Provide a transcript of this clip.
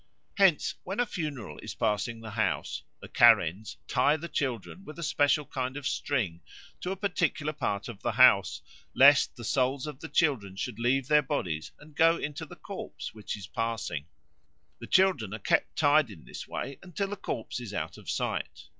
Hence, when a funeral is passing the house, the Karens tie their children with a special kind of string to a particular part of the house, lest the souls of the children should leave their bodies and go into the corpse which is passing. The children are kept tied in this way until the corpse is out of sight.